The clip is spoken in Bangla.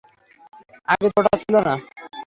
আগে তো ওটাও ছিল না।